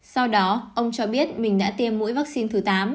sau đó ông cho biết mình đã tiêm mũi vaccine thứ tám